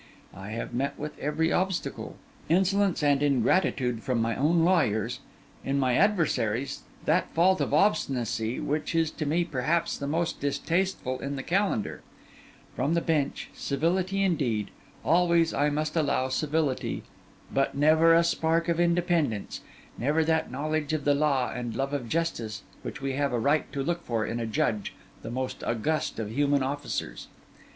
I have met with every obstacle: insolence and ingratitude from my own lawyers; in my adversaries, that fault of obstinacy which is to me perhaps the most distasteful in the calendar; from the bench, civility indeed—always, I must allow, civility—but never a spark of independence, never that knowledge of the law and love of justice which we have a right to look for in a judge, the most august of human officers.